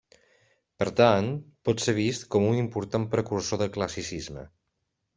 Per tant, pot ser vist com un important precursor del classicisme.